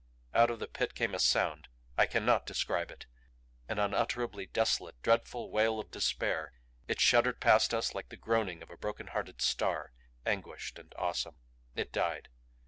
Out of the Pit came a sound I cannot describe it! An unutterably desolate, dreadful wail of despair, it shuddered past us like the groaning of a broken hearted star anguished and awesome. It died.